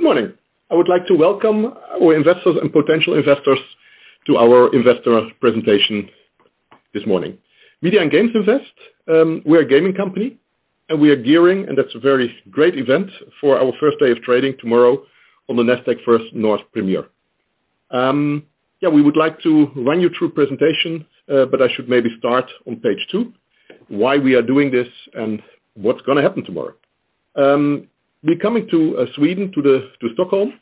Good morning. I would like to welcome our investors and potential investors to our investor presentation this morning. Media and Games Invest, we're a gaming company, and we are gearing, and that's a very great event, for our first day of trading tomorrow on the Nasdaq First North Premier. We would like to run you through a presentation, but I should maybe start on page two, why we are doing this and what's going to happen tomorrow. We're coming to Sweden, to Stockholm,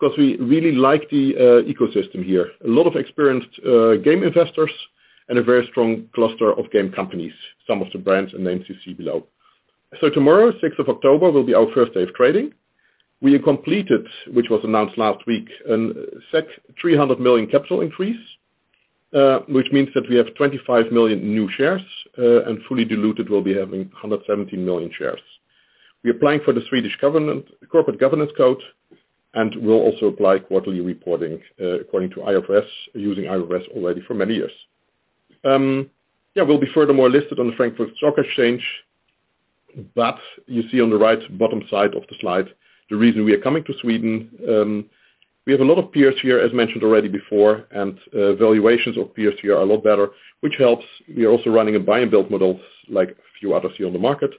because we really like the ecosystem here. A lot of experienced game investors and a very strong cluster of game companies, some of the brands and names you see below. Tomorrow, sixth of October, will be our first day of trading. We have completed, which was announced last week, a 300 million capital increase, which means that we have 25 million new shares, and fully diluted, we'll be having 170 million shares. We're applying for the Swedish Corporate Governance Code and will also apply quarterly reporting according to IFRS, using IFRS already for many years. We'll be furthermore listed on the Frankfurt Stock Exchange. You see on the right bottom side of the slide, the reason we are coming to Sweden. We have a lot of peers here, as mentioned already before, and valuations of peers here are a lot better, which helps. We are also running a buy and build model like a few others here on the market.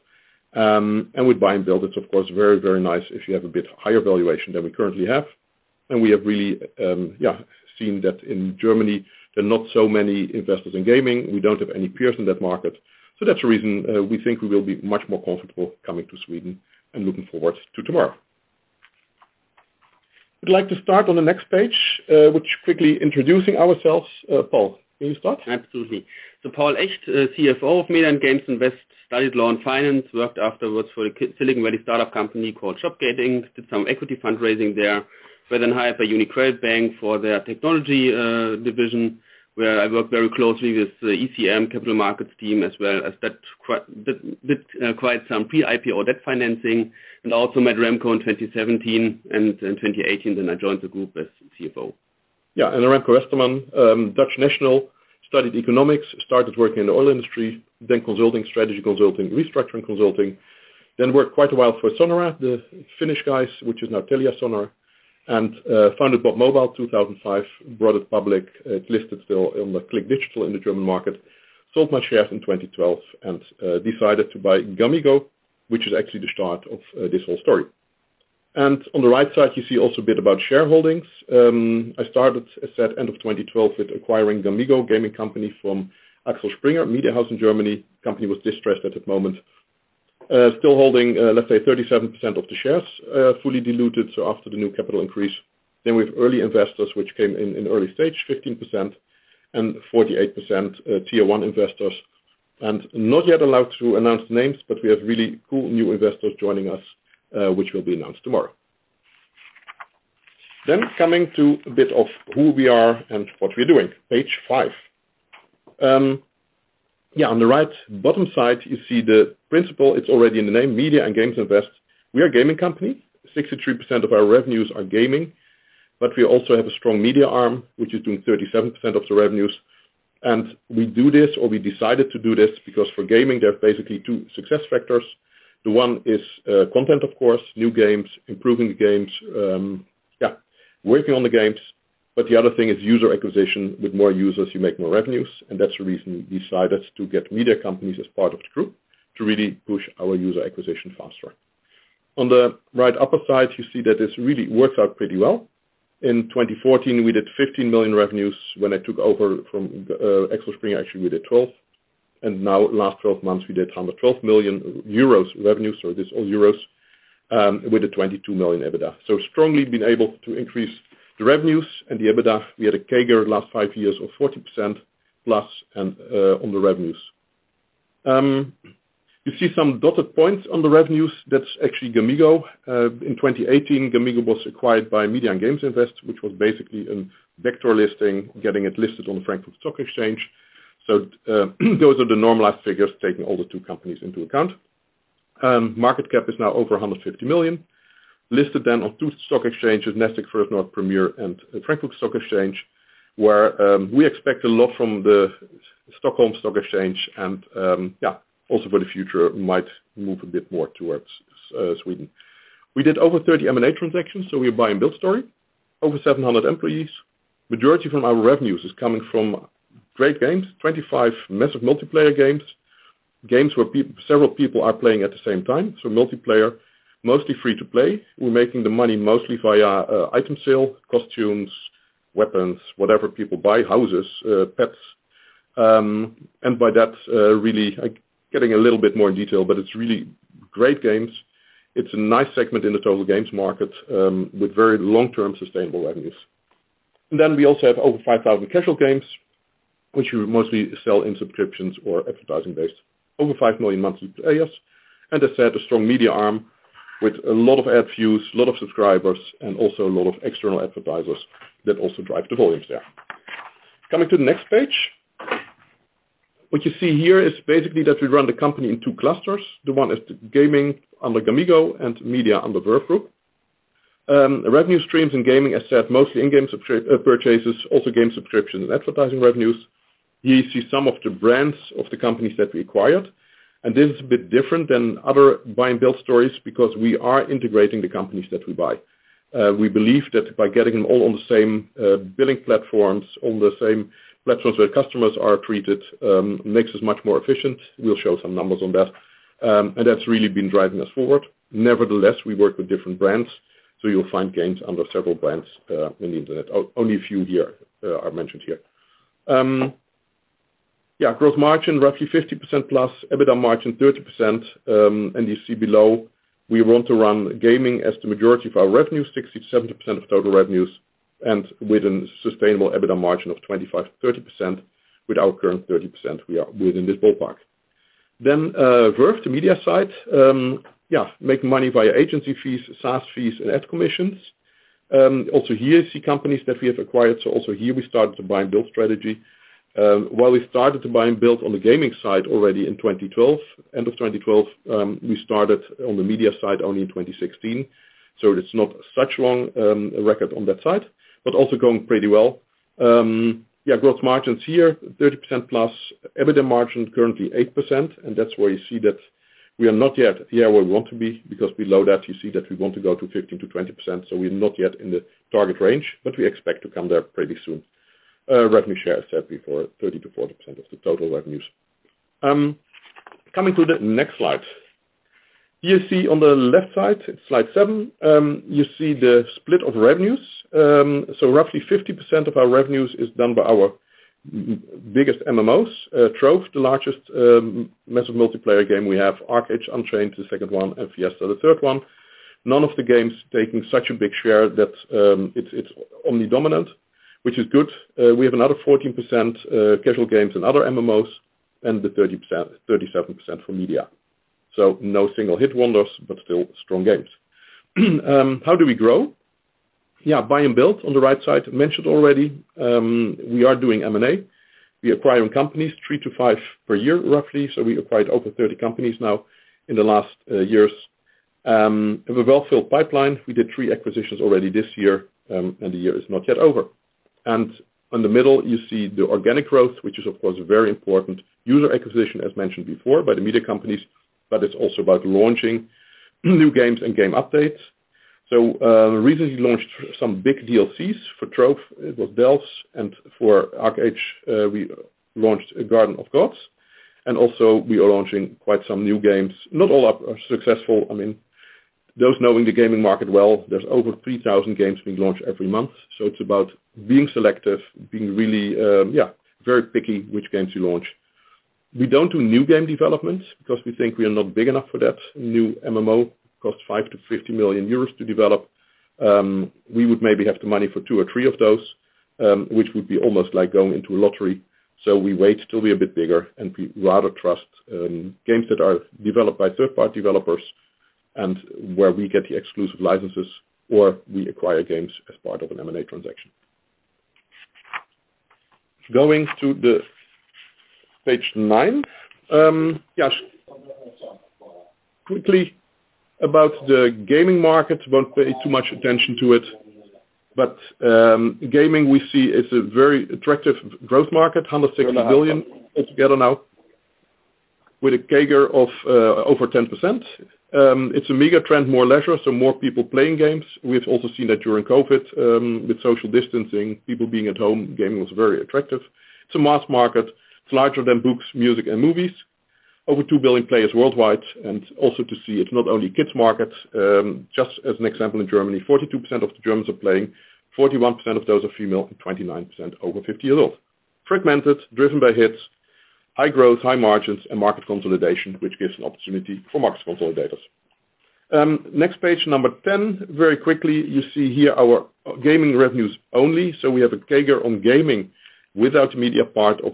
With buy and build, it's of course, very, very nice if you have a bit higher valuation than we currently have. We have really seen that in Germany, there are not so many investors in gaming. We don't have any peers in that market. That's the reason we think we will be much more comfortable coming to Sweden and looking forward to tomorrow. We'd like to start on the next page, which quickly introducing ourselves. Paul, will you start? Absolutely. Paul Echt, CFO of Media and Games Invest, studied law and finance, worked afterwards for a Silicon Valley startup company called Shopgetting, did some equity fundraising there. Was then hired by UniCredit Bank for their technology division, where I worked very closely with the ECM capital markets team as well as did quite some PIPE or debt financing, and also met Remco in 2017 and in 2018, then I joined the group as CFO. Yeah. Remco Westermann, Dutch national, studied economics, started working in the oil industry, then consulting, strategy consulting, restructuring consulting, then worked quite a while for Sonera, the Finnish guys, which is now TeliaSonera, and founded Bob Mobile 2005, brought it public. It's listed still on the Cliq Digital in the German market. Sold my shares in 2012 and decided to buy Gamigo, which is actually the start of this whole story. On the right side, you see also a bit about shareholdings. I started at end of 2012 with acquiring Gamigo, a gaming company from Axel Springer, a media house in Germany. Company was distressed at that moment. Still holding, let's say, 37% of the shares, fully diluted, so after the new capital increase. We have early investors which came in in early stage, 15%, and 48% tier 1 investors. Not yet allowed to announce names, but we have really cool new investors joining us, which will be announced tomorrow. Coming to a bit of who we are and what we're doing, page five. On the right bottom side, you see the principle. It's already in the name, Media and Games Invest. We are a gaming company. 63% of our revenues are gaming, but we also have a strong media arm, which is doing 37% of the revenues. We do this, or we decided to do this because for gaming, there are basically two success factors. The one is content, of course, new games, improving the games. Working on the games. The other thing is user acquisition. With more users, you make more revenues, and that's the reason we decided to get media companies as part of the group to really push our user acquisition faster. On the right upper side, you see that this really works out pretty well. In 2014, we did 15 million revenues. When I took over from Axel Springer, actually, we did 12. Last 12 months, we did 112 million euros revenue, this is all euros, with a 22 million EBITDA. Strongly been able to increase the revenues and the EBITDA. We had a CAGR last five years of 40%+ on the revenues. You see some dotted points on the revenues. That's actually Gamigo. In 2018, Gamigo was acquired by Media and Games Invest, which was basically a vector listing, getting it listed on the Frankfurt Stock Exchange. Those are the normalized figures, taking all the two companies into account. Market cap is now over 150 million. Listed on two stock exchanges, Nasdaq First North Premier and the Frankfurt Stock Exchange, where we expect a lot from the Stockholm Stock Exchange and also for the future might move a bit more towards Sweden. We did over 30 M&A transactions, we're a buy and build story. Over 700 employees. Majority from our revenues is coming from great games. 25 massive multiplayer games where several people are playing at the same time. Multiplayer, mostly free-to-play. We're making the money mostly via item sale, costumes, weapons, whatever people buy, houses, pets. By that, really getting a little bit more in detail, but it's really great games. It's a nice segment in the total games market with very long-term sustainable revenues. We also have over 5,000 casual games, which we mostly sell in subscriptions or advertising based. Over 5 million monthly players. As I said, a strong media arm with a lot of ad views, a lot of subscribers, and also a lot of external advertisers that also drive the volumes there. Coming to the next page. What you see here is basically that we run the company in two clusters. The one is the gaming under Gamigo and media under Verve Group. Revenue streams in gaming, as said, mostly in-game purchases, also game subscriptions and advertising revenues. Here you see some of the brands of the companies that we acquired, and this is a bit different than other buy and build stories because we are integrating the companies that we buy. We believe that by getting them all on the same billing platforms, on the same platforms where customers are treated makes us much more efficient. We will show some numbers on that. That has really been driving us forward. Nevertheless, we work with different brands, so you'll find games under several brands in the internet. Only a few here are mentioned here. Gross margin, roughly 50%+. EBITDA margin 30%. You see below, we want to run gaming as the majority of our revenue, 60%-70% of total revenues, and with a sustainable EBITDA margin of 25%-30%. With our current 30%, we are within this ballpark. Verve, the media side. Make money via agency fees, SaaS fees, and ad commissions. Also here, you see companies that we have acquired. Also here we started to buy and build strategy. We started to buy and build on the gaming side already in 2012, end of 2012. We started on the media side only in 2016, so it's not such long record on that side, but also going pretty well. Yeah, gross margins here, 30%+. EBITDA margin, currently 8%. That's where you see that we are not yet where we want to be, because below that, you see that we want to go to 15%-20%. We are not yet in the target range, we expect to come there pretty soon. Revenue share, I said before, 30%-40% of the total revenues. Coming to the next slide. You see on the left side, slide seven, you see the split of revenues. Roughly 50% of our revenues is done by our biggest MMOs. Trove, the largest massive multiplayer game we have. ArcheAge: Unchained, the second one. Fiesta, the third one. None of the games taking such a big share that it's omni-dominant, which is good. We have another 14% casual games and other MMOs. The 37% for media. No single hit wonders, but still strong games. How do we grow? Buy and build on the right side. Mentioned already, we are doing M&A. We acquire companies three to five per year, roughly. We acquired over 30 companies now in the last years. We have a well-filled pipeline. We did three acquisitions already this year, and the year is not yet over. On the middle, you see the organic growth, which is of course, very important. User acquisition, as mentioned before by the media companies, but it's also about launching new games and game updates. We recently launched some big DLCs for Trove. It was Delves. For ArcheAge, we launched Garden of the Gods. Also we are launching quite some new games. Not all are successful. Those knowing the gaming market well, there's over 3,000 games being launched every month. It's about being selective, being really, yeah, very picky which games you launch. We don't do new game developments because we think we are not big enough for that. New MMO costs 5 million-50 million euros to develop. We would maybe have the money for two or three of those, which would be almost like going into a lottery. We wait till we're a bit bigger, and we rather trust games that are developed by third party developers and where we get the exclusive licenses or we acquire games as part of an M&A transaction. Going to the page nine. Yes. Quickly about the gaming market. Won't pay too much attention to it. Gaming, we see, is a very attractive growth market. 160 billion altogether now with a CAGR of over 10%. It's a mega trend, more leisure, so more people playing games. We have also seen that during COVID with social distancing, people being at home, gaming was very attractive. It's a mass market. It's larger than books, music, and movies. Over two billion players worldwide. Also to see it's not only kids' markets. Just as an example, in Germany, 42% of the Germans are playing. 41% of those are female and 29% over 50 years old. Fragmented, driven by hits, high growth, high margins, and market consolidation, which gives an opportunity for market consolidators. Next page, number 10. Very quickly, you see here our gaming revenues only. We have a CAGR on gaming without media part of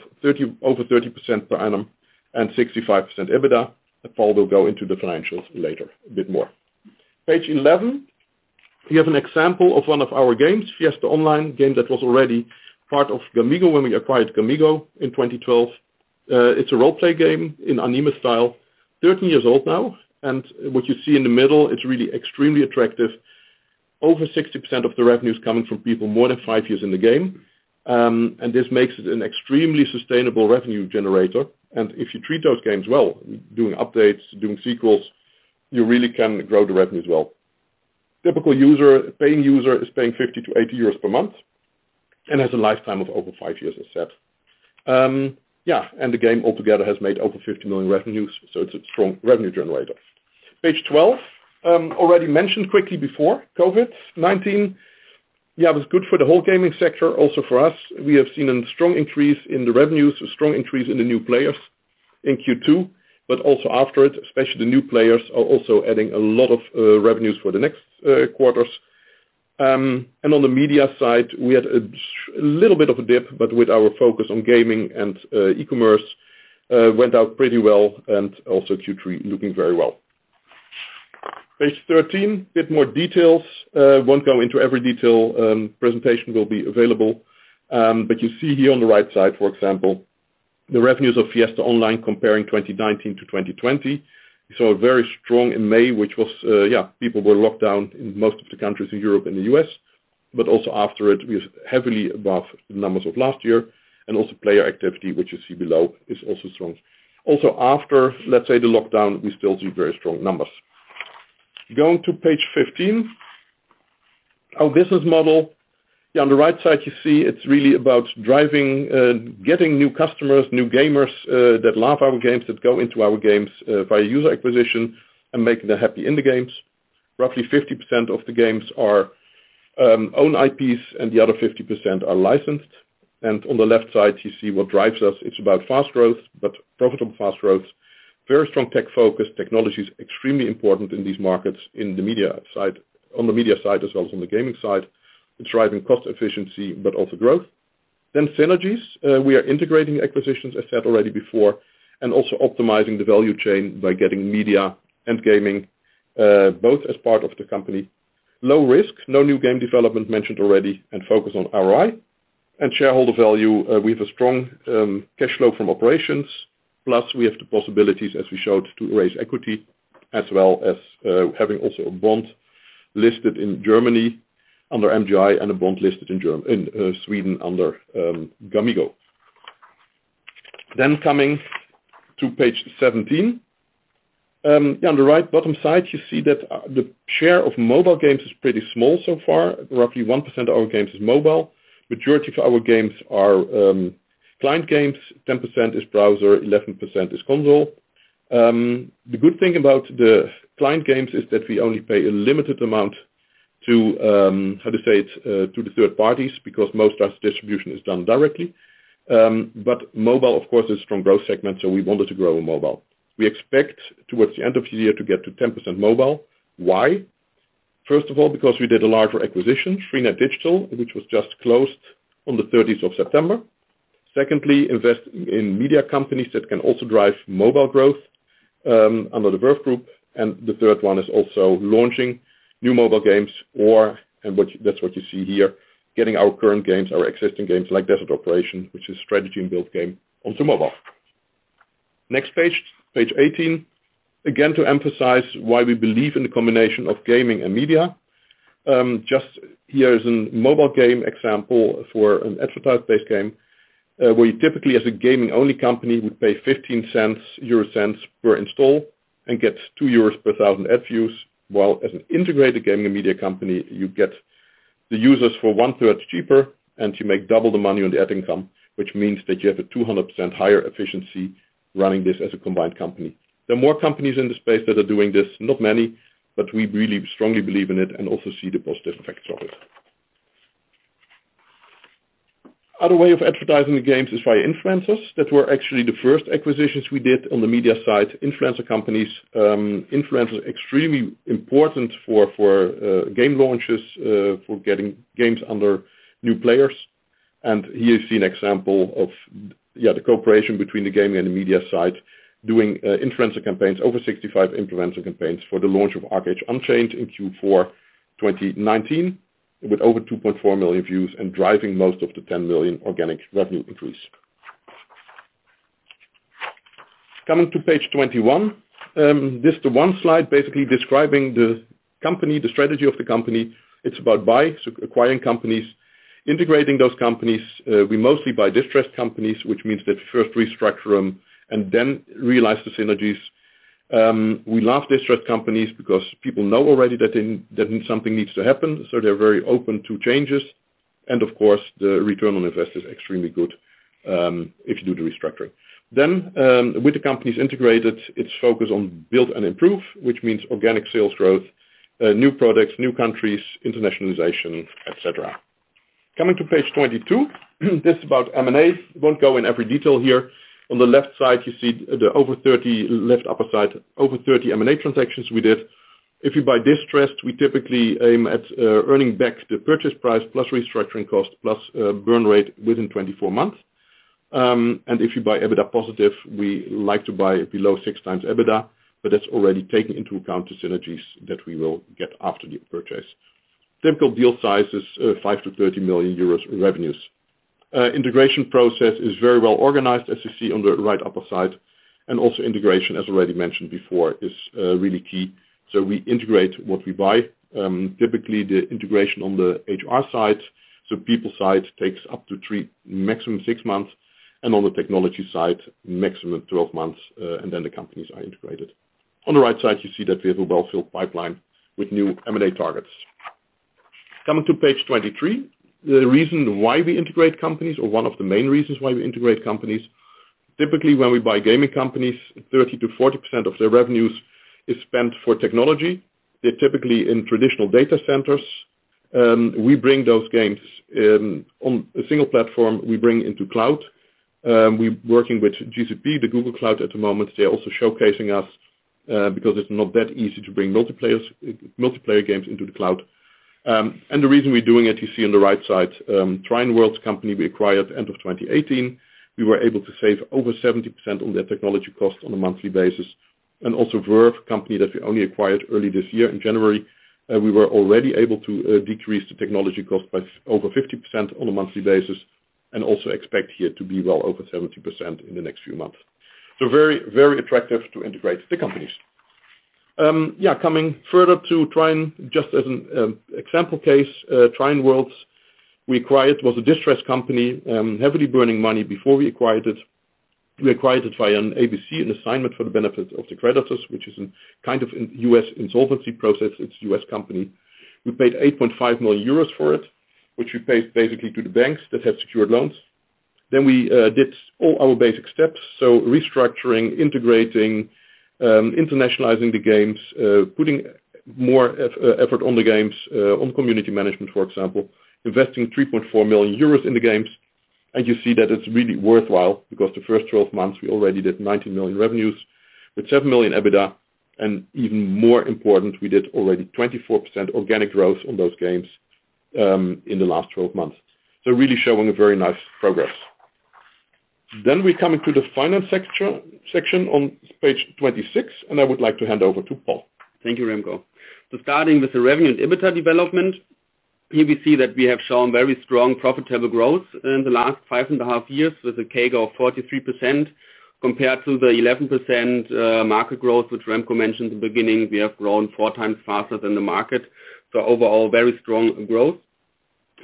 over 30% per annum and 65% EBITDA. Paul will go into the financials later a bit more. Page 11. We have an example of one of our games, Fiesta Online, a game that was already part of Gamigo when we acquired Gamigo in 2012. It's a role play game in anime style, 13 years old now. What you see in the middle is really extremely attractive. Over 60% of the revenue is coming from people more than five years in the game. This makes it an extremely sustainable revenue generator. If you treat those games well, doing updates, doing sequels, you really can grow the revenues well. Typical paying user is paying 50-80 euros per month and has a lifetime of over five years, as I said. Yeah, the game altogether has made over 50 million revenues. It's a strong revenue generator. Page 12. Already mentioned quickly before. COVID-19. Yeah, it was good for the whole gaming sector, also for us. We have seen a strong increase in the revenues, a strong increase in the new players in Q2. Also after it, especially the new players are also adding a lot of revenues for the next quarters. On the media side, we had a little bit of a dip, but with our focus on gaming and e-commerce, went out pretty well and also Q3 looking very well. Page 13, a bit more details. Won't go into every detail. Presentation will be available. You see here on the right side, for example, the revenues of Fiesta Online comparing 2019-2020. You saw very strong in May, which was, people were locked down in most of the countries in Europe and the U.S. Also after it, we are heavily above the numbers of last year, and also player activity, which you see below, is also strong. After, let's say, the lockdown, we still see very strong numbers. Going to page 15. Our business model. On the right side you see it's really about getting new customers, new gamers, that love our games, that go into our games via user acquisition and making them happy in the games. Roughly 50% of the games are own IPs and the other 50% are licensed. On the left side you see what drives us. It's about fast growth, but profitable fast growth. Very strong tech focus. Technology is extremely important in these markets on the media side as well as on the gaming side. It's driving cost efficiency but also growth. Synergies. We are integrating acquisitions, as said already before, and also optimizing the value chain by getting media and gaming both as part of the company. Low risk, no new game development, mentioned already, focus on ROI. Shareholder value. We have a strong cash flow from operations. Plus, we have the possibilities, as we showed, to raise equity as well as having also a bond listed in Germany under MGI and a bond listed in Sweden under Gamigo. Coming to page 17. On the right bottom side, you see that the share of mobile games is pretty small so far. Roughly 1% of our games is mobile. Majority of our games are client games, 10% is browser, 11% is console. The good thing about the client games is that we only pay a limited amount to, how to say it, to the third parties, because most of our distribution is done directly. Mobile, of course, is a strong growth segment, so we wanted to grow in mobile. We expect towards the end of the year to get to 10% mobile. Why? First of all, because we did a larger acquisition, Trina Digital, which was just closed on the 30th of September. Secondly, invest in media companies that can also drive mobile growth under the Verve Group. The third one is also launching new mobile games or, and that's what you see here, getting our current games, our existing games, like Desert Operations, which is strategy and build game, onto mobile. Next page 18. Again, to emphasize why we believe in the combination of gaming and media. Just here is a mobile game example for an advertise-based game. Where you typically, as a gaming-only company, would pay 0.15 per install and get 2 euros per thousand ad views. While as an integrated gaming and media company, you get the users for one-third cheaper, and you make double the money on the ad income, which means that you have a 200% higher efficiency running this as a combined company. There are more companies in the space that are doing this. Not many, but we really strongly believe in it and also see the positive effects of it. Other way of advertising the games is via influencers. That were actually the first acquisitions we did on the media side, influencer companies. Influencer is extremely important for game launches, for getting games under new players. Here you see an example of the cooperation between the gaming and media side doing influencer campaigns. Over 65 influencer campaigns for the launch of ArcheAge: Unchained in Q4 2019, with over 2.4 million views and driving most of the 10 million organic revenue increase. Coming to page 21. This is the one slide basically describing the strategy of the company. It's about buying, acquiring companies, integrating those companies. We mostly buy distressed companies, which means that first restructure them and then realize the synergies. We love distressed companies because people know already that something needs to happen, they're very open to changes. Of course, the return on investment is extremely good if you do the restructuring. With the companies integrated, it's focused on build and improve, which means organic sales growth, new products, new countries, internationalization, et cetera. Coming to page 22. This is about M&As. Won't go in every detail here. On the left side, you see the over 30, left upper side, over 30 M&A transactions we did. If you buy distressed, we typically aim at earning back the purchase price plus restructuring cost, plus burn rate within 24 months. If you buy EBITDA positive, we like to buy below 6x EBITDA, that's already taken into account the synergies that we will get after the purchase. Typical deal size is 5 million-30 million euros in revenues. Integration process is very well organized, as you see on the right upper side. Also integration, as already mentioned before, is really key. We integrate what we buy. Typically, the integration on the HR side, people side takes up to maximum six months, on the technology side, maximum 12 months, then the companies are integrated. On the right side, you see that we have a well-filled pipeline with new M&A targets. Coming to page 23. The reason why we integrate companies or one of the main reasons why we integrate companies. Typically, when we buy gaming companies, 30%-40% of their revenues is spent for technology. They're typically in traditional data centers. We bring those games on a single platform. We bring into cloud. We're working with GCP, the Google Cloud at the moment. They are also showcasing us because it's not that easy to bring multiplayer games into the cloud. The reason we're doing it, you see on the right side. Trion Worlds company we acquired end of 2018. We were able to save over 70% on their technology cost on a monthly basis. Also Verve that we only acquired early this year in January. We were already able to decrease the technology cost by over 50% on a monthly basis, and also expect here to be well over 70% in the next few months. Very attractive to integrate the companies. Yeah. Coming further to Trion, just as an example case, Trion Worlds we acquired, was a distressed company, heavily burning money before we acquired it. We acquired it via an ABC, an assignment for the benefit of the creditors, which is a kind of U.S. insolvency process. It's a U.S. company. We paid 8.5 million euros for it, which we paid basically to the banks that had secured loans. We did all our basic steps. Restructuring, integrating, internationalizing the games, putting more effort on the games, on community management, for example, investing 3.4 million euros in the games. You see that it's really worthwhile because the first 12 months we already did 90 million revenues with 7 million EBITDA, even more important, we did already 24% organic growth on those games, in the last 12 months. Really showing a very nice progress. We come into the final section on page 26, and I would like to hand over to Paul. Thank you, Remco. Starting with the revenue and EBITDA development. Here we see that we have shown very strong profitable growth in the last 5 and a half years with a CAGR of 43% compared to the 11% market growth which Remco mentioned in the beginning. We have grown 4 times faster than the market. Overall, very strong growth.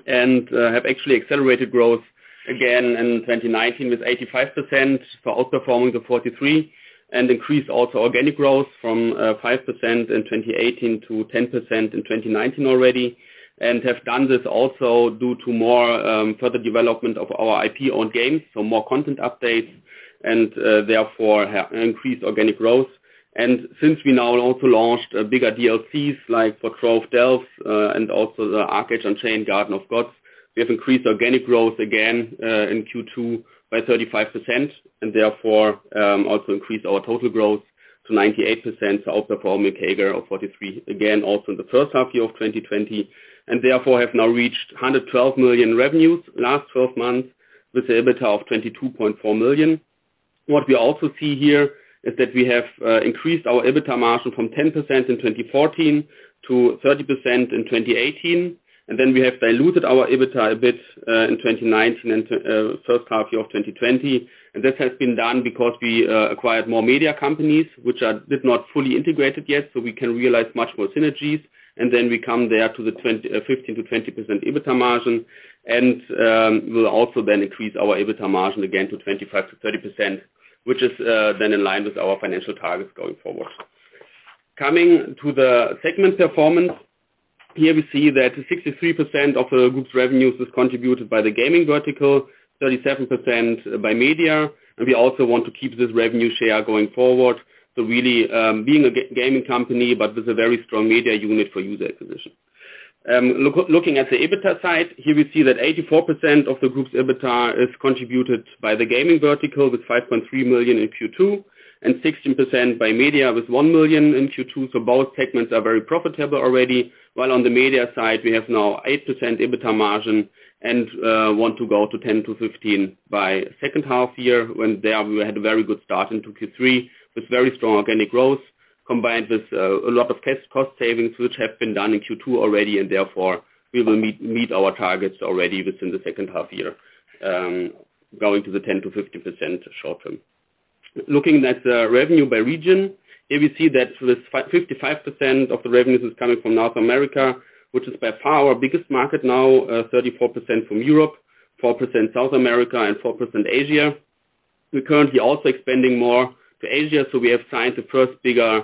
Have actually accelerated growth again in 2019 with 85% for outperforming the 43 and increased also organic growth from 5% in 2018 to 10% in 2019 already. Have done this also due to more, further development of our IP on games, so more content updates and therefore have increased organic growth. Since we now also launched bigger DLCs like for Trove, Delve, and also the ArcheAge: Unchained, Garden of the Gods, we have increased organic growth again, in Q2 by 35% and therefore, also increased our total growth to 98% outperforming CAGR of 43% again, also in the first half year of 2020. Therefore have now reached 112 million revenues last 12 months with the EBITDA of 22.4 million. What we also see here is that we have increased our EBITDA margin from 10% in 2014 to 30% in 2018. Then we have diluted our EBITDA a bit, in 2019 and first half year of 2020. This has been done because we acquired more media companies, which did not fully integrated yet, so we can realize much more synergies. We come there to the 15%-20% EBITDA margin. We'll also increase our EBITDA margin again to 25%-30% which is in line with our financial targets going forward. Coming to the segment performance. Here we see that 63% of the group's revenues is contributed by the gaming vertical, 37% by media, and we also want to keep this revenue share going forward. Really, being a gaming company, but with a very strong media unit for user acquisition. Looking at the EBITDA side, here we see that 84% of the group's EBITDA is contributed by the gaming vertical with 5.3 million in Q2, and 16% by media with 1 million in Q2, both segments are very profitable already. While on the media side, we have now 8% EBITDA margin and want to go to 10%-15% by second half-year when there we had a very good start into Q3 with very strong organic growth combined with a lot of cost savings which have been done in Q2 already, and therefore we will meet our targets already within the second half-year, going to the 10%-15% short term. Looking at the revenue by region. Here we see that with 55% of the revenues is coming from North America, which is by far our biggest market now, 34% from Europe, 4% South America, and 4% Asia. We're currently also expanding more to Asia, so we have signed the first bigger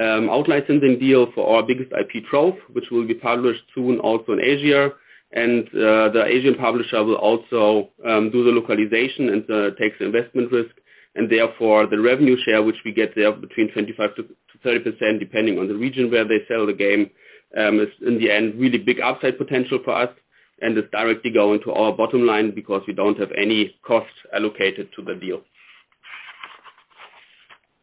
outline licensing deal for our biggest IP, Trove, which will be published soon also in Asia. The Asian publisher will also do the localization and takes the investment risk and therefore the revenue share which we get there between 25% to 30% depending on the region where they sell the game, is in the end really big upside potential for us and is directly going to our bottom line because we don't have any costs allocated to the deal.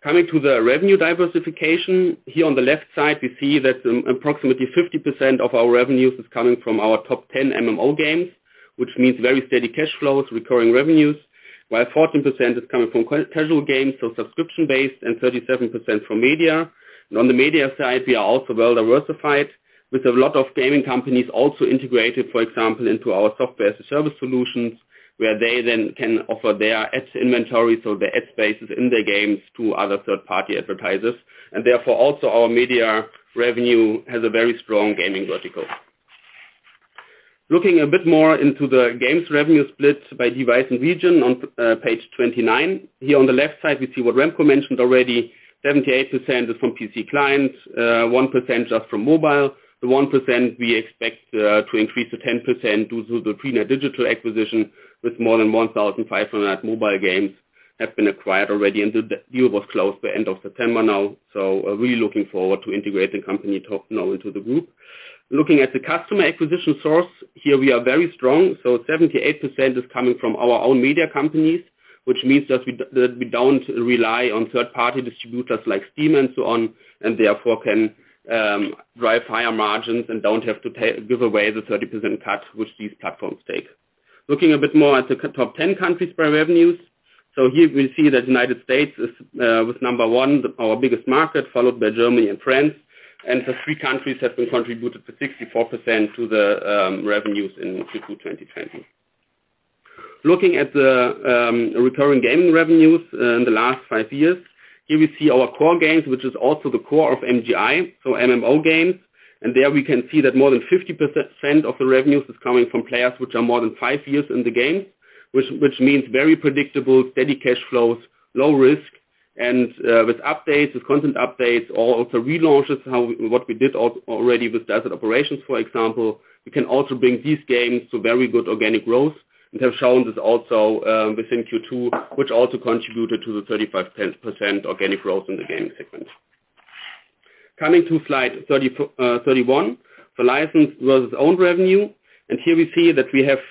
Coming to the revenue diversification. Here on the left side, we see that approximately 50% of our revenues is coming from our top 10 MMO games, which means very steady cash flows, recurring revenues, while 14% is coming from casual games, so subscription-based and 37% from media. On the media side, we are also well diversified with a lot of gaming companies also integrated, for example, into our software service solutions, where they then can offer their ad inventory, so the ad spaces in their games to other third-party advertisers. Therefore, also our media revenue has a very strong gaming vertical. Looking a bit more into the games revenue split by device and region on page 29. Here on the left side, we see what Remco mentioned already. 78% is from PC clients, 1% just from mobile. The 1% we expect to increase to 10% due to the Trina Digital acquisition with more than 1,500 mobile games have been acquired already. The deal was closed by end of September now, so really looking forward to integrating company, too, now into the group. Looking at the customer acquisition source. Here we are very strong. 78% is coming from our own media companies, which means that we don't rely on third-party distributors like Steam and so on, and therefore can drive higher margins and don't have to give away the 30% cut which these platforms take. Looking a bit more at the top 10 countries by revenues. Here we see that United States was number one, our biggest market, followed by Germany and France. The three countries have been contributed to 64% to the revenues in Q2 2020. Looking at the recurring gaming revenues in the last five years, here we see our core games, which is also the core of MGI, so MMO games. There we can see that more than 50% of the revenues is coming from players which are more than five years in the game, which means very predictable steady cash flows, low risk, and with content updates or also relaunches, what we did already with Desert Operations, for example, we can also bring these games to very good organic growth, and have shown this also within Q2, which also contributed to the 35% organic growth in the gaming segment. Coming to slide 31. The licensed versus own revenue, and here we see that we have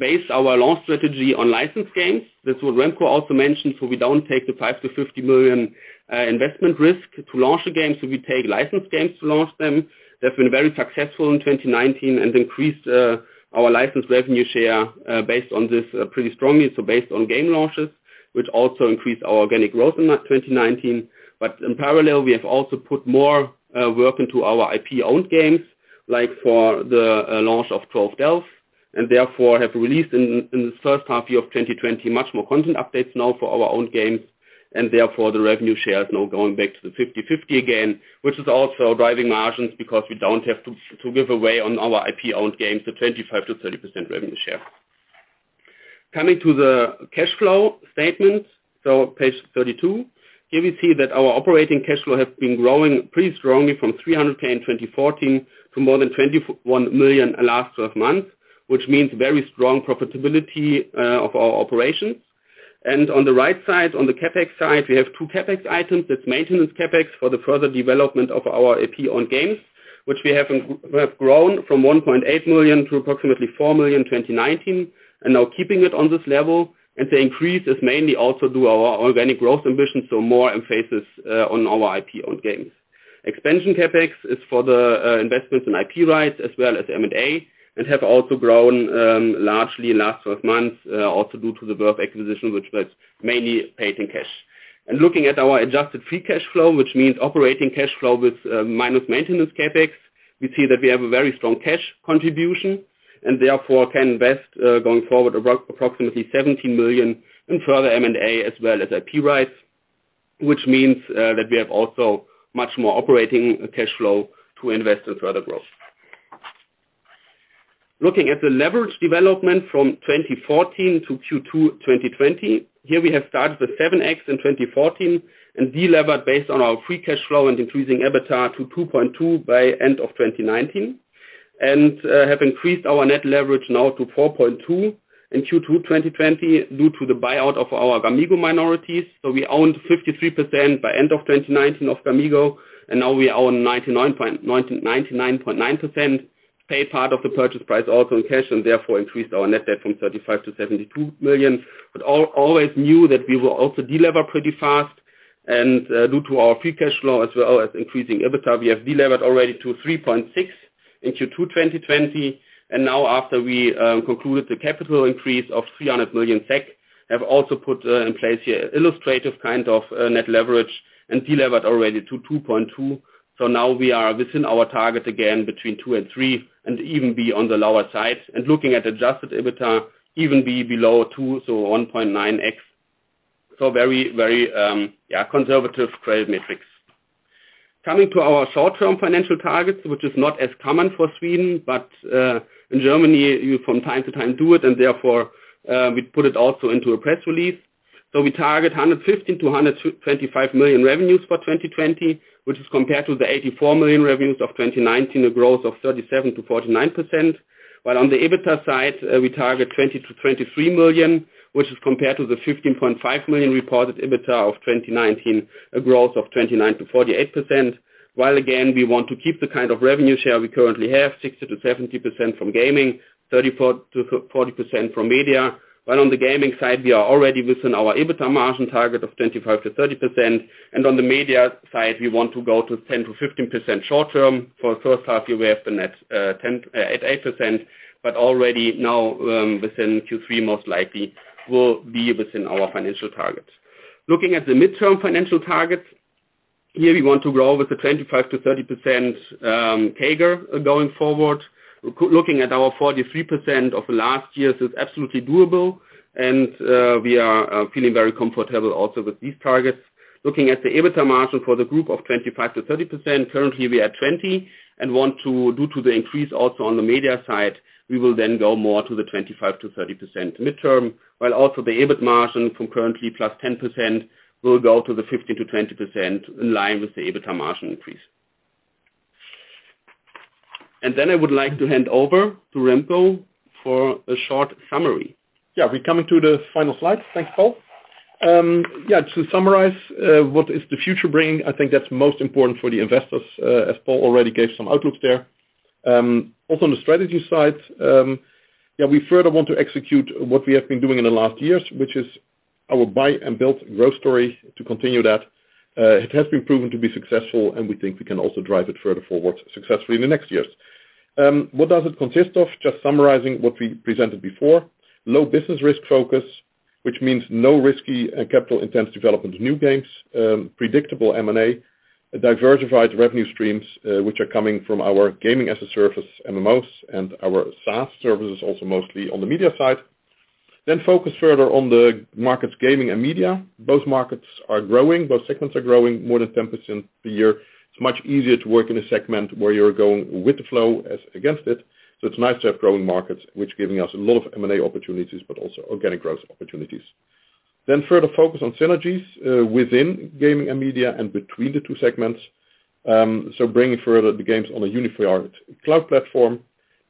based our launch strategy on licensed games. This is what Remco also mentioned, so we don't take the 5 million-50 million investment risk to launch the games, so we take licensed games to launch them. They've been very successful in 2019 and increased our licensed revenue share based on this pretty strongly. Based on game launches, which also increased our organic growth in 2019. In parallel, we have also put more work into our IP-owned games, like for the launch of Trove. Therefore, have released in the first half year of 2020 much more content updates now for our own games, and therefore the revenue share is now going back to the 50/50 again, which is also driving margins because we don't have to give away on our IP-owned games the 25%-30% revenue share. Coming to the cash flow statement, page 32. Here we see that our operating cash flow has been growing pretty strongly from 310 in 2014 to more than 21 million in last 12 months, which means very strong profitability of our operations. On the right side, on the CapEx side, we have two CapEx items. There's maintenance CapEx for the further development of our IP-owned games, which we have grown from 1.8 million to approximately 4 million 2019, now keeping it on this level. The increase is mainly also due our organic growth ambitions, so more emphasis on our IP-owned games. Expansion CapEx is for the investments in IP rights as well as M&A, have also grown largely in last 12 months, also due to the Verve acquisition, which was mainly paid in cash. Looking at our adjusted free cash flow, which means operating cash flow with minus maintenance CapEx, we see that we have a very strong cash contribution, therefore can invest, going forward, approximately 17 million in further M&A as well as IP rights, which means that we have also much more operating cash flow to invest in further growth. Looking at the leverage development from 2014 to Q2 2020. Here we have started with 7x in 2014 and de-levered based on our free cash flow and increasing EBITDA to 2.2 by end of 2019. Have increased our net leverage now to 4.2 in Q2 2020 due to the buyout of our Gamigo minorities. We owned 53% by end of 2019 of Gamigo, and now we own 99.9%. Pay part of the purchase price also in cash, and therefore increased our net debt from 35-72 million. Always knew that we will also de-lever pretty fast. Due to our free cash flow as well as increasing EBITDA, we have de-levered already to 3.6 in Q2 2020. Now after we concluded the capital increase of EUR 300 million, we have also put in place here illustrative kind of net leverage and de-levered already to 2.2. Now we are within our target again, between 2 and 3, and even be on the lower side. Looking at adjusted EBITDA, even be below 2, so 1.9x. Very conservative trade metrics. Coming to our short-term financial targets, which is not as common for Sweden, but in Germany, you from time to time do it, and therefore, we put it also into a press release. We target 150 million to 125 million revenues for 2020, which is compared to the 84 million revenues of 2019, a growth of 37%-49%. While on the EBITDA side, we target 20 million to 23 million, which is compared to the 15.5 million reported EBITDA of 2019, a growth of 29%-48%. While again, we want to keep the kind of revenue share we currently have, 60%-70% from gaming, 34%-40% from media. While on the gaming side, we are already within our EBITDA margin target of 25%-30%. On the media side, we want to go to 10%-15% short-term. For the first half year, we have the net at 8%, but already now, within Q3 most likely will be within our financial targets. Looking at the midterm financial targets. Here we want to grow with the 25%-30% CAGR going forward. Looking at our 43% of last year, so it's absolutely doable and we are feeling very comfortable also with these targets. Looking at the EBITDA margin for the group of 25%-30%, currently we are at 20%. Due to the increase also on the media side, we will then go more to the 25%-30% midterm, while also the EBIT margin from currently +10% will go to the 15%-20% in line with the EBITDA margin increase. I would like to hand over to Remco for a short summary. Yeah, we are coming to the final slide. Thanks, Paul. Yeah, to summarize, what is the future bringing? I think that is most important for the investors, as Paul already gave some outlook there. Also on the strategy side, we further want to execute what we have been doing in the last years, which is our buy and build growth story to continue that. It has been proven to be successful, and we think we can also drive it further forward successfully in the next years. What does it consist of? Just summarizing what we presented before. Low business risk focus. Which means no risky and capital-intense development of new games, predictable M&A, diversified revenue streams which are coming from our gaming as a service, MMOs and our SaaS services also mostly on the media side. Focus further on the markets, gaming and media. Both markets are growing. Both segments are growing more than 10% per year. It's much easier to work in a segment where you're going with the flow as against it. It's nice to have growing markets which giving us a lot of M&A opportunities but also organic growth opportunities. further focus on synergies within gaming and media and between the two segments. Bringing further the games on a Unity Cloud platform,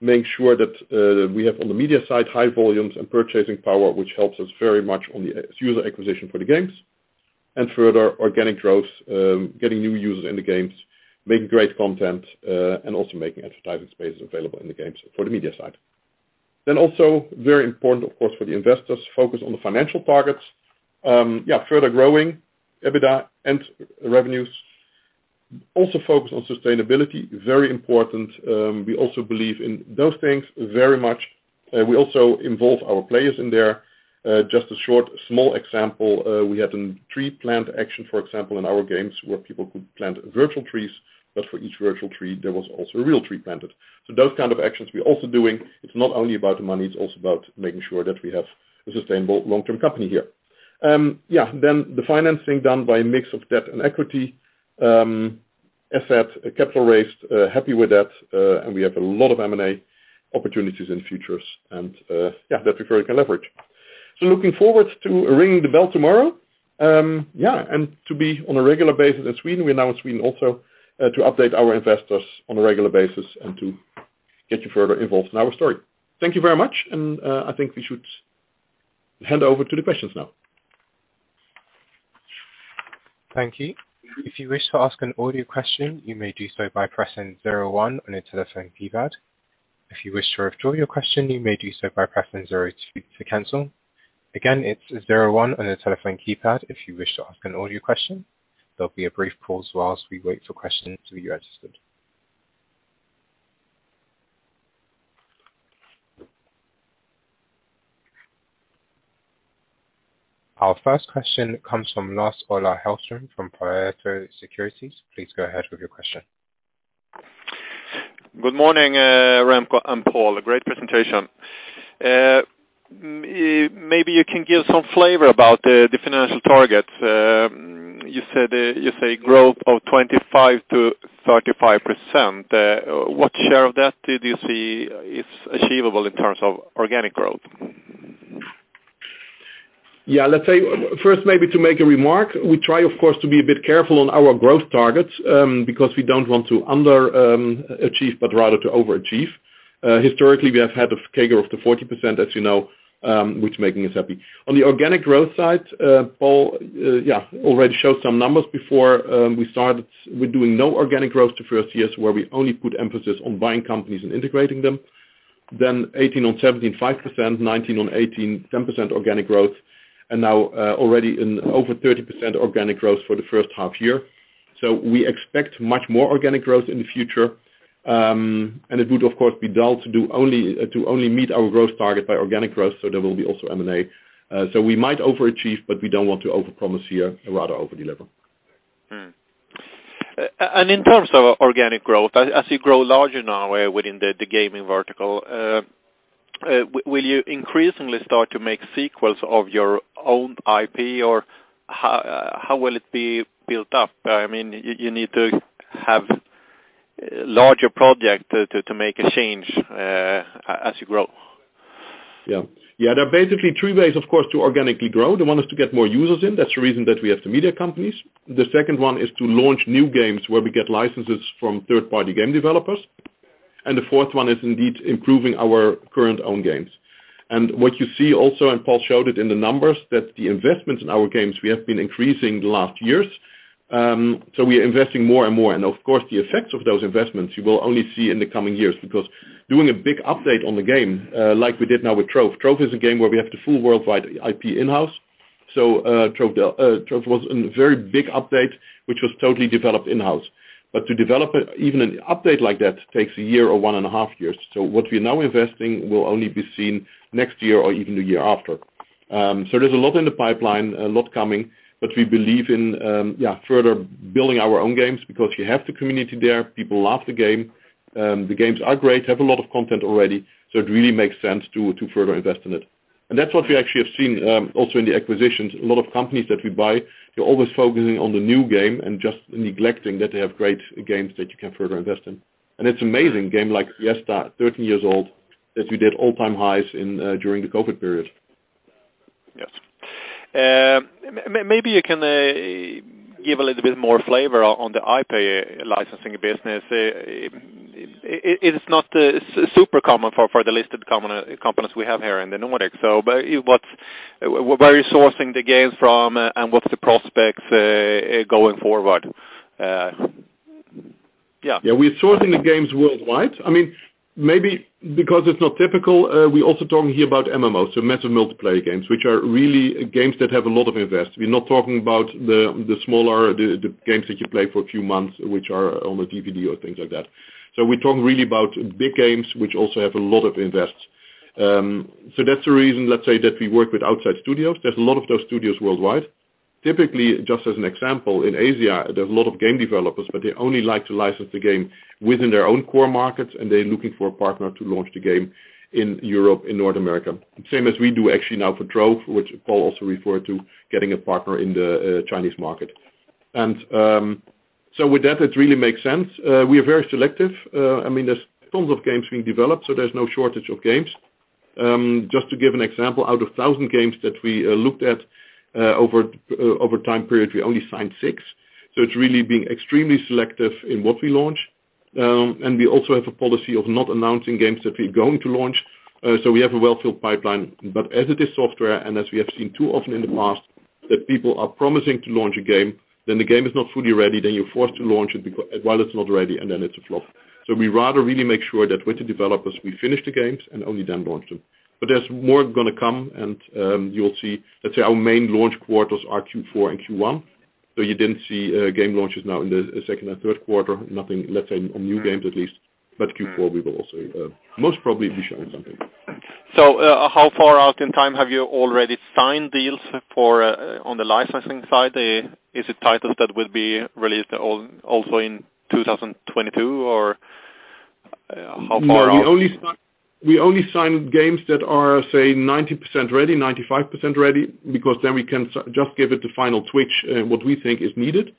make sure that we have on the media side high volumes and purchasing power, which helps us very much on the user acquisition for the games and further organic growth, getting new users in the games, making great content, and also making advertising spaces available in the games for the media side. also very important, of course, for the investors, focus on the financial targets. Further growing EBITDA and revenues. Also focus on sustainability. Very important. We also believe in those things very much. We also involve our players in there. Just a short, small example. We had a tree plant action, for example, in our games where people could plant virtual trees, but for each virtual tree, there was also a real tree planted. Those kind of actions we're also doing. It's not only about the money, it's also about making sure that we have a sustainable long-term company here. The financing done by a mix of debt and equity. Asset capital raised. Happy with that. We have a lot of M&A opportunities in futures and that we further can leverage. Looking forward to ringing the bell tomorrow. To be on a regular basis in Sweden. We're now in Sweden also to update our investors on a regular basis and to get you further involved in our story. Thank you very much. I think we should hand over to the questions now. Thank you. If you wish to ask an audio question, you may do so by pressing zero one on your telephone keypad. If you wish to withdraw your question, you may do so by pressing zero two to cancel. Again, it's zero one on your telephone keypad if you wish to ask an audio question. There will be a brief pause whilst we wait for questions to be registered. Our first question comes from Lars-Ola Hellström from Pareto Securities. Please go ahead with your question. Good morning, Remco and Paul. A great presentation. Maybe you can give some flavor about the financial targets. You say growth of 25%-35%. What share of that do you see is achievable in terms of organic growth? Yeah. Let's say first maybe to make a remark. We try, of course, to be a bit careful on our growth targets, because we don't want to under achieve but rather to overachieve. Historically, we have had a CAGR of up to 40%, as you know, which making us happy. On the organic growth side, Paul already showed some numbers before we started with doing no organic growth the first years where we only put emphasis on buying companies and integrating them. 2018 on 2017, 5%, 2019 on 2018, 10% organic growth, now already in over 30% organic growth for the first half year. We expect much more organic growth in the future. It would of course be dull to only meet our growth target by organic growth. There will be also M&A. We might overachieve, but we don't want to overpromise here, rather over deliver. In terms of organic growth, as you grow larger now within the gaming vertical, will you increasingly start to make sequels of your own IP or how will it be built up? You need to have larger project to make a change as you grow. Yeah. There are basically three ways, of course, to organically grow. The one is to get more users in. That's the reason that we have the media companies. The second one is to launch new games where we get licenses from third party game developers. The fourth one is indeed improving our current own games. What you see also, and Paul showed it in the numbers, that the investments in our games we have been increasing the last years. We are investing more and more. Of course the effects of those investments you will only see in the coming years because doing a big update on the game like we did now with Trove. Trove is a game where we have the full worldwide IP in-house. Trove was in very big update which was totally developed in-house. To develop even an update like that takes a year or one and a half years. What we're now investing will only be seen next year or even the year after. There's a lot in the pipeline, a lot coming, but we believe in further building our own games because you have the community there. People love the game. The games are great, have a lot of content already, so it really makes sense to further invest in it. That's what we actually have seen also in the acquisitions. A lot of companies that we buy, they're always focusing on the new game and just neglecting that they have great games that you can further invest in. It's amazing game like Fiesta, 13 years old, that we did all time highs during the COVID period. Yes. Maybe you can give a little bit more flavor on the IP licensing business. It is not super common for the listed companies we have here in the Nordics. Where are you sourcing the games from and what's the prospects going forward? Yeah, we're sourcing the games worldwide. Maybe because it's not typical, we're also talking here about MMOs, so massive multiplayer games, which are really games that have a lot of invest. We're not talking about the smaller, the games that you play for a few months which are on a DVD or things like that. We're talking really about big games which also have a lot of invest. That's the reason, let's say, that we work with outside studios. There's a lot of those studios worldwide. Typically, just as an example, in Asia, there's a lot of game developers, but they only like to license the game within their own core markets, and they're looking for a partner to launch the game in Europe and North America. Same as we do actually now for "Trove," which Paul also referred to, getting a partner in the Chinese market. With that, it really makes sense. We are very selective. There's tons of games being developed, so there's no shortage of games. Just to give an example, out of 1,000 games that we looked at over time period, we only signed six. It's really being extremely selective in what we launch. We also have a policy of not announcing games that we're going to launch. We have a well-filled pipeline, but as it is software and as we have seen too often in the past that people are promising to launch a game, then the game is not fully ready, then you're forced to launch it while it's not ready, and then it's a flop. We rather really make sure that with the developers, we finish the games and only then launch them. There's more going to come and you'll see, let's say our main launch quarters are Q4 and Q1, so you didn't see game launches now in the second and third quarter, nothing, let's say, on new games at least. Q4, we will also most probably be showing something. How far out in time have you already signed deals on the licensing side? Is it titles that will be released also in 2022, or how far out? No, we only sign games that are, say, 90% ready, 95% ready, because then we can just give it the final twitch, what we think is needed.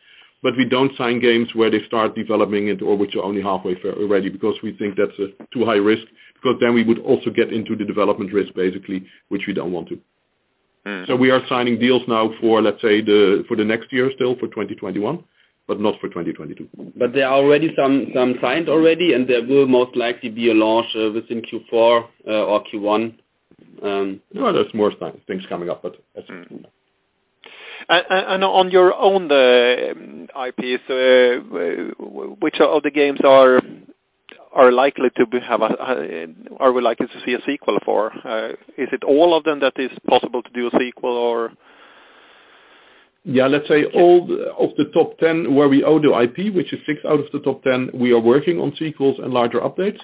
We don't sign games where they start developing it or which are only halfway ready because we think that's too high risk, because then we would also get into the development risk, basically, which we don't want to. We are signing deals now for, let's say, for the next year still, for 2021, but not for 2022. There are already some signed already, and there will most likely be a launch within Q4 or Q1. No, there's more things coming up, but that's it for now. On your own IPs, which of the games are we likely to see a sequel for? Is it all of them that is possible to do a sequel or? Let's say all of the top 10 where we own the IP, which is six out of the top 10, we are working on sequels and larger updates.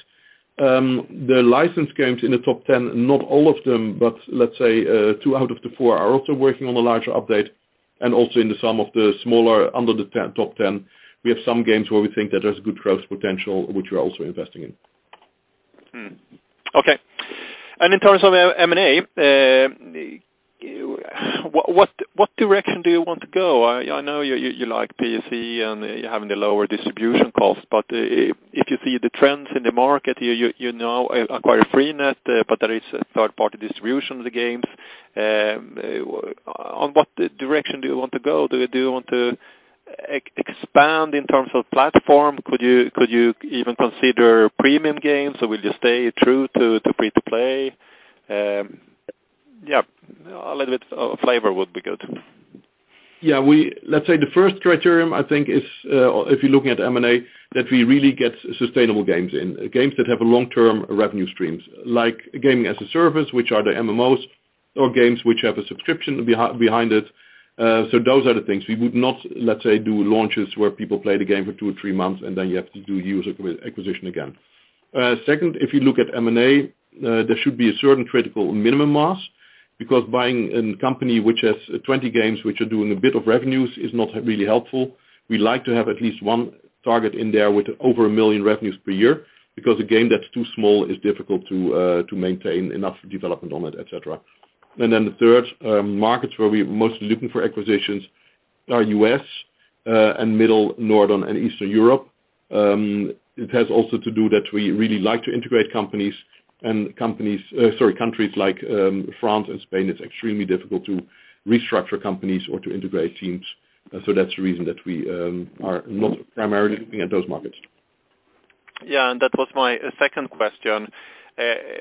The licensed games in the top 10, not all of them, but let's say two out of the four are also working on a larger update, and also in some of the smaller under the top 10, we have some games where we think that there's good growth potential which we're also investing in. Okay. In terms of M&A, what direction do you want to go? I know you like PC and you're having the lower distribution costs, but if you see the trends in the market, you now acquire Freenet, but there is a third-party distribution of the games. What direction do you want to go? Do you want to expand in terms of platform? Could you even consider premium games, or will you stay true to free-to-play? Yeah, a little bit of flavor would be good. Let's say the first criterium, I think, is if you're looking at M&A, that we really get sustainable games in. Games that have a long-term revenue streams. Like gaming as a service, which are the MMOs or games which have a subscription behind it. Those are the things. We would not, let's say, do launches where people play the game for two or three months, and then you have to do user acquisition again. Second, if you look at M&A, there should be a certain critical minimum mass, because buying a company which has 20 games which are doing a bit of revenues is not really helpful. We like to have at least 1 target in there with over 1 million revenues per year, because a game that's too small is difficult to maintain enough development on it, et cetera. The third markets where we're mostly looking for acquisitions are U.S. and Middle, Northern, and Eastern Europe. It has also to do that we really like to integrate companies and countries like France and Spain, it's extremely difficult to restructure companies or to integrate teams. That's the reason that we are not primarily looking at those markets. Yeah, that was my second question.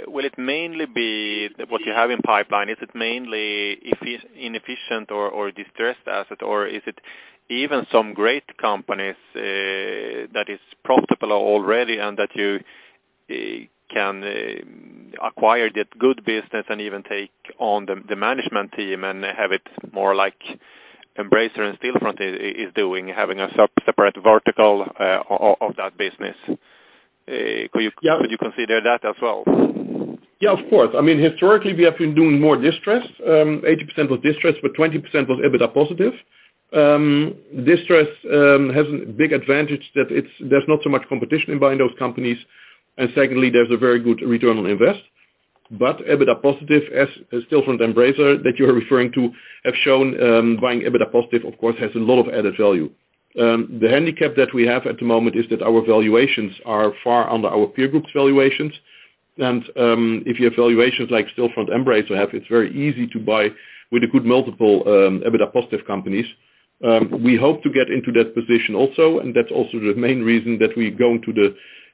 Will it mainly be what you have in pipeline? Is it mainly inefficient or distressed asset, or is it even some great companies that is profitable already and that you can acquire that good business and even take on the management team and have it more like Embracer and Stillfront is doing, having a separate vertical of that business. Yeah. Could you consider that as well? Yeah, of course. Historically, we have been doing more distressed. 80% was distressed, but 20% was EBITDA positive. Distressed has a big advantage that there's not so much competition in buying those companies, and secondly, there's a very good return on invest. EBITDA positive as Stillfront and Embracer that you're referring to have shown buying EBITDA positive, of course, has a lot of added value. The handicap that we have at the moment is that our valuations are far under our peer group's valuations. If you have valuations like Stillfront, Embracer have, it's very easy to buy with a good multiple EBITDA positive companies. We hope to get into that position also, and that's also the main reason that we're going to the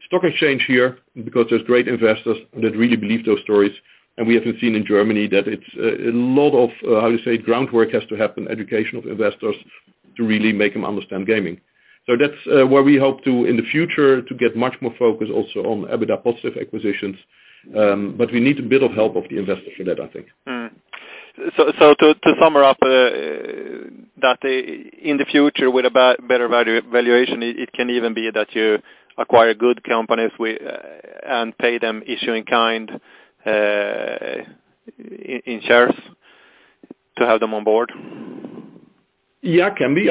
stock exchange here because there's great investors that really believe those stories. We have seen in Germany that it's a lot of, how do you say, groundwork has to happen, educational investors to really make them understand gaming. That's where we hope to, in the future, to get much more focus also on EBITDA positive acquisitions. We need a bit of help of the investor for that, I think. To sum it up, in the future, with a better valuation, it can even be that you acquire good companies and pay them issuing kind in shares to have them on board? Can be.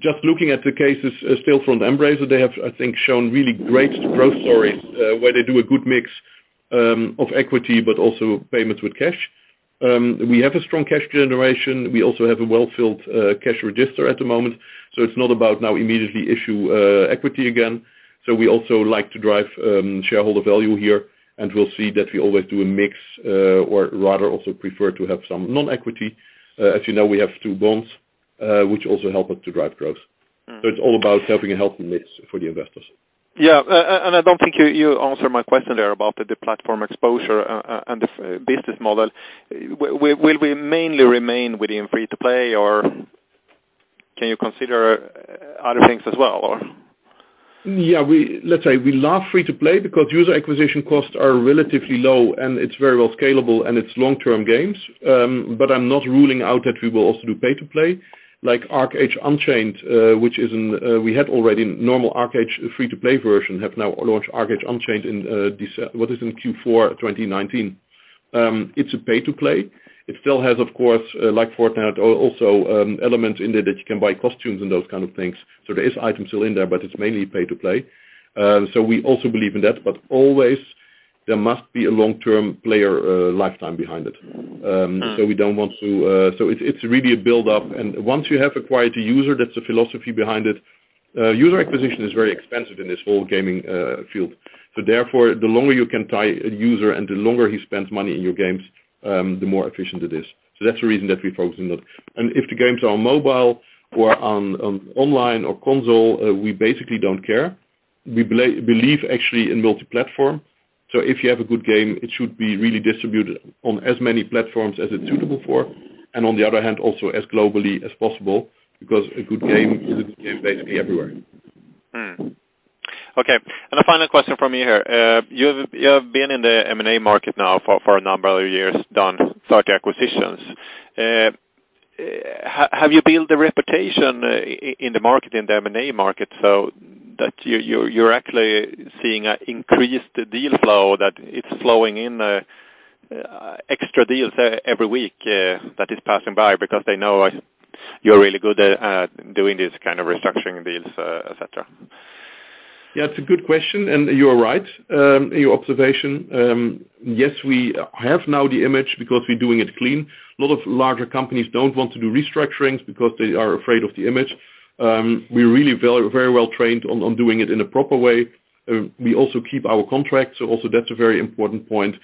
Just looking at the cases Stillfront Embracer, they have, I think, shown really great growth stories where they do a good mix of equity but also payments with cash. We have a strong cash generation. We also have a well-filled cash register at the moment. It's not about now immediately issue equity again. We also like to drive shareholder value here, and we'll see that we always do a mix, or rather also prefer to have some non-equity. As you know, we have two bonds, which also help us to drive growth. It's all about having a healthy mix for the investors. Yeah. I don't think you answered my question there about the platform exposure and the business model. Will we mainly remain within free-to-play, or can you consider other things as well? Yeah. Let's say we love free-to-play because user acquisition costs are relatively low, and it's very well scalable, and it's long-term games. I'm not ruling out that we will also do pay-to-play like ArcheAge: Unchained. We had already normal ArcheAge free-to-play version have now launched ArcheAge: Unchained in, what is it? In Q4 2019. It's a pay-to-play. It still has, of course, like Fortnite, also elements in there that you can buy costumes and those kind of things. There is items still in there, but it's mainly pay-to-play. We also believe in that, but always there must be a long-term player lifetime behind it. It's really a buildup. Once you have acquired the user, that's the philosophy behind it. User acquisition is very expensive in this whole gaming field. Therefore, the longer you can tie a user and the longer he spends money in your games, the more efficient it is. That's the reason that we're focusing on that. If the games are on mobile or on online or console, we basically don't care. We believe actually in multi-platform. If you have a good game, it should be really distributed on as many platforms as it's suitable for, and on the other hand, also as globally as possible, because a good game is a good game basically everywhere. Okay. A final question from me here. You've been in the M&A market now for a number of years, done 30 acquisitions. Have you built a reputation in the M&A market so that you're actually seeing an increased deal flow that it's flowing in extra deals every week that is passing by because they know you're really good at doing these kind of restructuring deals, et cetera? Yeah, it's a good question. You are right. Your observation. Yes, we have now the image because we're doing it clean. A lot of larger companies don't want to do restructurings because they are afraid of the image. We're really very well trained on doing it in a proper way. We also keep our contracts. Also that's a very important point.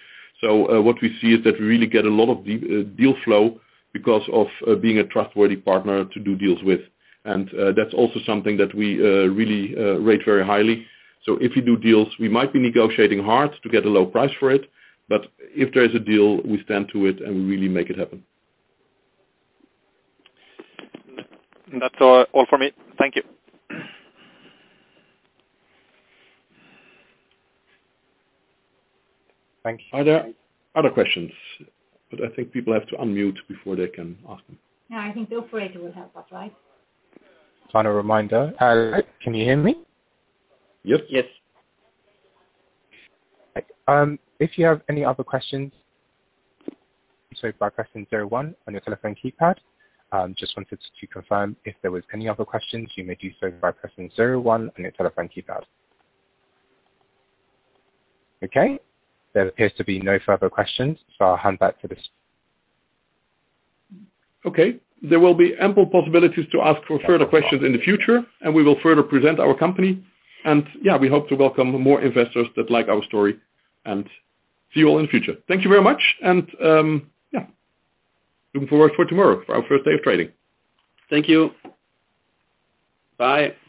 What we see is that we really get a lot of deal flow because of being a trustworthy partner to do deals with. That's also something that we really rate very highly. If you do deals, we might be negotiating hard to get a low price for it. If there is a deal, we stand to it and really make it happen. That's all from me. Thank you. Thank you. Are there other questions? I think people have to unmute before they can ask them. Yeah, I think the operator will help us, right? Final reminder. Can you hear me? Yes. Yes. If you have any other questions, so by pressing zero one on your telephone keypad. Just wanted to confirm if there was any other questions, you may do so by pressing zero one on your telephone keypad. Okay. There appears to be no further questions, so I'll hand back to this. Okay. There will be ample possibilities to ask for further questions in the future, and we will further present our company. Yeah, we hope to welcome more investors that like our story and see you all in the future. Thank you very much. Yeah. Looking forward for tomorrow for our first day of trading. Thank you. Bye.